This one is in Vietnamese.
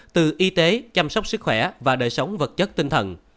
từ y tế chăm sóc sức khỏe và đời sống vật chất tinh thần